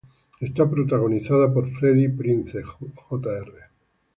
Esta Protagonizada por Freddie Prinze, Jr.